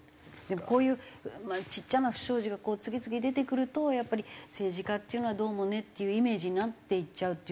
こういうちっちゃな不祥事が次々出てくるとやっぱり政治家っていうのはどうもねっていうイメージになっていっちゃうっていう。